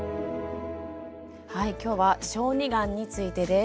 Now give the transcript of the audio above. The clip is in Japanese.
はい今日は「小児がん」についてです。